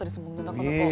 なかなか。